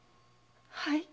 はい。